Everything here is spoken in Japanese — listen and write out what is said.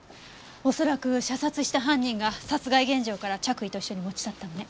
恐らく射殺した犯人が殺害現場から着衣と一緒に持ち去ったのね。